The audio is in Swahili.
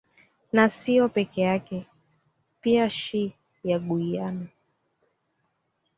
Na sio peke yake pia Shii ya Guiana